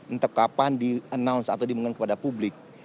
untuk kapan di announce atau di mengenai kepada publik